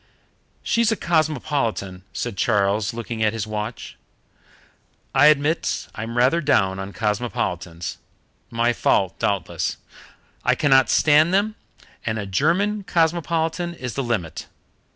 "She's a cosmopolitan," said Charles, looking at his watch. "I admit I'm rather down on cosmopolitans. My fault, doubtless. I cannot stand them, and a German cosmopolitan is the limit.